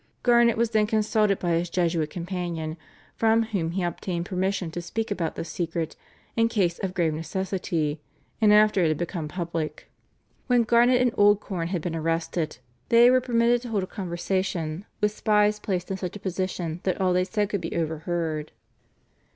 Garnet was then consulted by his Jesuit companion, from whom he obtained permission to speak about the secret in case of grave necessity and after it had become public. When Garnet and Oldcorn had been arrested they were permitted to hold a conversation with spies placed in such a position that all they said could be overheard.